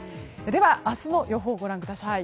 明日の予報をご覧ください。